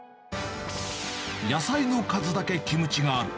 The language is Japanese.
野菜の数だけキムチがある。